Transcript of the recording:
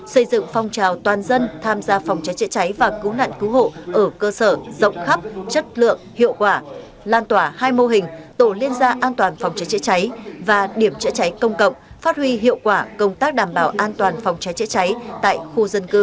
xây dựng phong trào toàn dân tham gia phòng cháy chữa cháy và cứu nạn cứu hộ ở cơ sở rộng khắp chất lượng hiệu quả lan tỏa hai mô hình tổ liên gia an toàn phòng cháy chữa cháy và điểm chữa cháy công cộng phát huy hiệu quả công tác đảm bảo an toàn phòng cháy chữa cháy tại khu dân cư